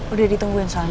udah ditungguin soalnya